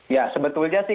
ya sebetulnya sih